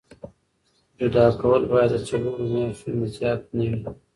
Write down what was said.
جدا کول باید د څلورو میاشتو نه زیات نه وي.